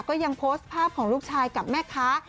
ก็ยังโพสต์ภาพของลูกชายกับแม่ค้า